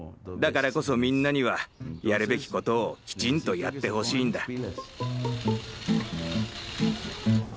だからこそみんなにはやるべきことをきちんとやってほしいんだ。